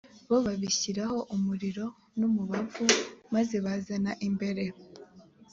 bo babishyiraho umuriro n umubavu p maze bazana imbere